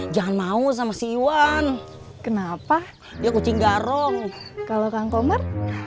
jangan mau sama si iwan kenapa dia kucing garong kalau kang komar